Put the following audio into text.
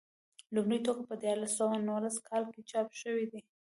لومړی ټوک په دیارلس سوه نولس کال کې چاپ شوی دی.